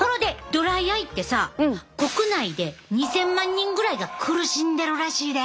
ドライアイってさ国内で２，０００万人ぐらいが苦しんでるらしいで。